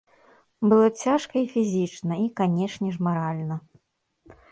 Было цяжка і фізічна і, канечне ж, маральна.